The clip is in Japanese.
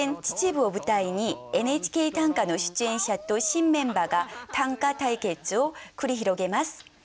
秩父を舞台に「ＮＨＫ短歌」の出演者と新メンバーが短歌対決を繰り広げます！